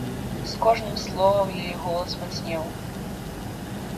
З кожным словам яе голас мацнеў.